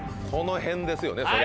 この辺ですよね